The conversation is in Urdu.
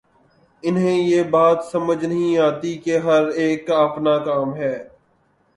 انہیں یہ بات سمجھ نہیں آتی کہ ہر ایک کا اپنا کام ہے۔